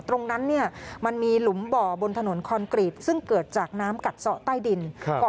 ตรงนั้นเนี่ยมันมีหลุมบ่อบนถนนคอนกรีตซึ่งเกิดจากน้ำกัดซะใต้ดิน